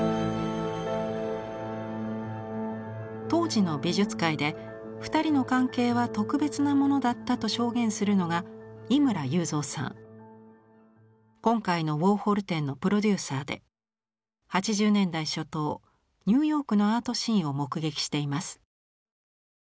当時の美術界で２人の関係は特別なものだったと証言するのが今回のウォーホル展のプロデューサーで８０年代初頭ニューヨークのアートシーンを目撃しています。